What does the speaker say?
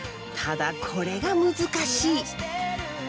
ただこれが難しい！